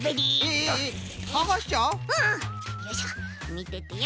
みててよ。